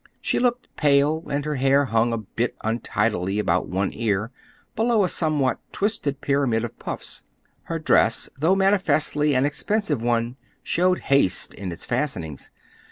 She looked pale, and her hair hung a bit untidily about one ear below a somewhat twisted pyramid of puffs. Her dress, though manifestly an expensive one, showed haste in its fastenings.